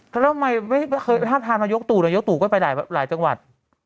แล้วทำไมไม่เคยทาบทามนายกตู่นายกตู่ก็ไปหลายจังหวัด